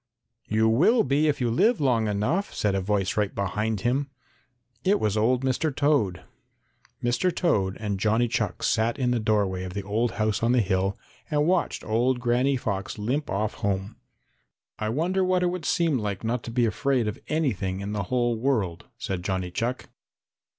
"You will be if you live long enough," said a voice right behind him. It was old Mr. Toad. Mr. Toad and Johnny Chuck sat in the doorway of the old house on the hill and watched old Granny Fox limp off home. "I wonder what it would seem like not to be afraid of anything in the whole world," said Johnny Chuck.